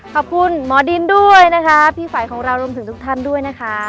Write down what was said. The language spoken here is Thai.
ขอบคุณหมอดินด้วยนะคะพี่ไฝของเรารวมถึงทุกท่านด้วยนะคะ